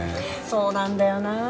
そうなんだよなあ。